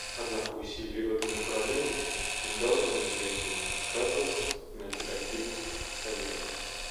Однако усилия в этом направлении не должны негативно сказываться на оперативности Совета.